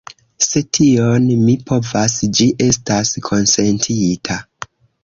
Se tion mi povas, ĝi estas konsentita.